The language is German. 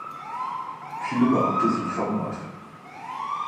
Viele Beamte sind verhungert.